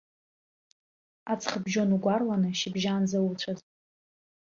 Аҵхыбжьон угәарланы шьыбжьаанӡа уцәаз!